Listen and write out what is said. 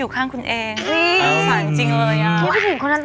แม่บ้านประจันบัน